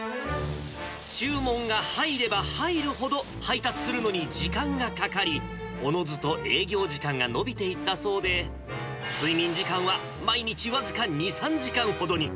注文が入れば入るほど、配達するのに時間がかかり、おのずと営業時間が延びていったそうで、睡眠時間は毎日僅か２、３時間ほどに。